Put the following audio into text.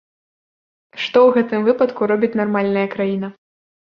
Што ў гэтым выпадку робіць нармальная краіна?